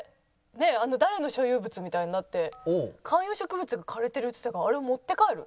誰の所有物？みたいになって「観葉植物が枯れてる」って言ってたからあれを持って帰る。